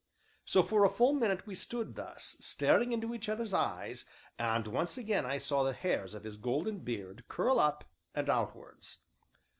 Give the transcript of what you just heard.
So, for a full minute we stood thus, staring into each other's eyes, and once again I saw the hairs of his golden beard curl up, and outwards.